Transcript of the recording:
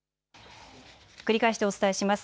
繰り返してお伝えします。